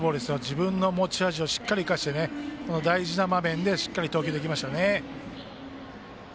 自分の持ち味をしっかり生かして大事な場面でしっかり投球できましたね。